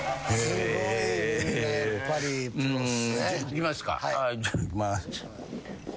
いきますか。